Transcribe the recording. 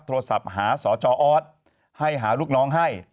โทรศัพท์หาสจออสให้หาลูกน้องให้